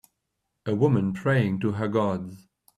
A woman praying to her gods.